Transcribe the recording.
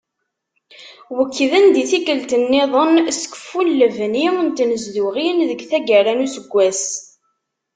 Wekkden-d i tikkelt-nniḍen s keffu n lebni n tnezduɣin deg taggara n useggas.